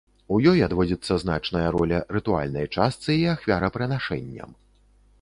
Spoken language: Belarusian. У ёй адводзіцца значная роля рытуальнай частцы і ахвярапрынашэнням.